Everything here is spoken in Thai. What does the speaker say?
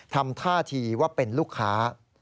ทำท่าทีว่าเป็นลูกค้า